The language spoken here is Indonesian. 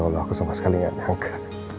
ya allah aku sama sekali gak nyangka